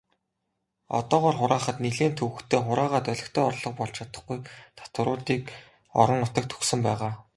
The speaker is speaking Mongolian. Одоогоор хураахад нэлээн төвөгтэй, хураагаад олигтой орлого болж чадахгүй татваруудыг орон нутагт өгсөн байгаа.